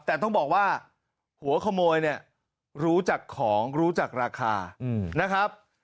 แต่ต้องบอกว่าหัวขโมยเนี่ยรู้จักของรู้จักราคานะครับ